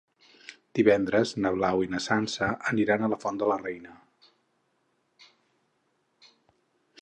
Divendres na Blau i na Sança aniran a la Font de la Reina.